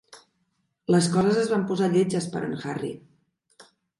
Les coses es van posar lletges per a en Harry.